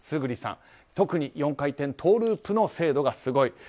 村主さん、特に４回転トウループ精度がすごい。